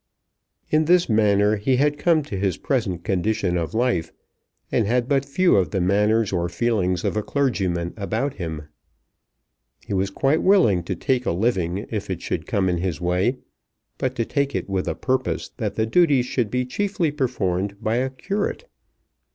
In this manner he had come to his present condition of life, and had but few of the manners or feelings of a clergyman about him. He was quite willing to take a living if it should come in his way, but to take it with a purpose that the duties should be chiefly performed by a curate.